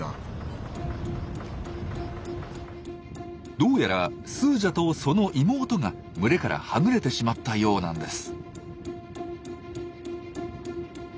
どうやらスージャとその妹が群れからはぐれてしまったようなんです。